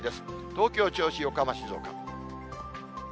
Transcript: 東京、銚子、横浜、静岡。